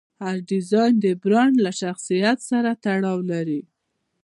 هر ډیزاین د برانډ له شخصیت سره تړاو لري.